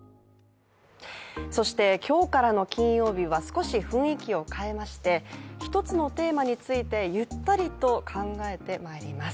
そして今日からの金曜日は少し雰囲気を変えまして一つのテーマについてゆったりと考えてまいります。